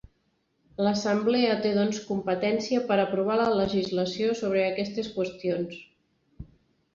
L'Assemblea té, doncs, competència per aprovar la legislació sobre aquestes qüestions.